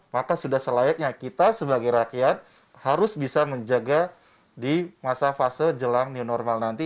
maka sudah selayaknya kita sebagai rakyat harus bisa menjaga di masa fase jelang new normal nanti